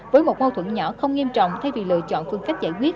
với một mâu thuẫn nhỏ không nghiêm trọng thay vì lựa chọn phương cách giải quyết